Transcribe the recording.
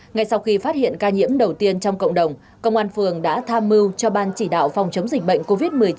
ngay sau khi phát hiện ca nhiễm đầu tiên trong cộng đồng công an phường đã tham mưu cho ban chỉ đạo phòng chống dịch bệnh covid một mươi chín